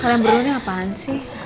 kalian berduanya apaan sih